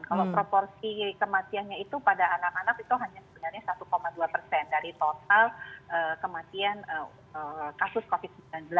kalau proporsi kematiannya itu pada anak anak itu hanya sebenarnya satu dua dari total kematian kasus covid sembilan belas